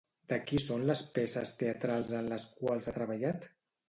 De qui són les peces teatrals en les quals ha treballat?